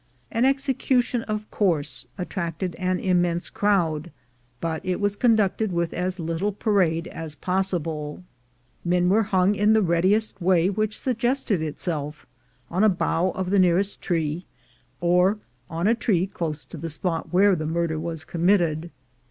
An execution, of course, attracted an immense crowd, but it was conducted with as little parade as possible. Men were hung in the readiest way which suggested itself — on a bough of the nearest tree, or on a tree close to the spot where the murder was com mitted.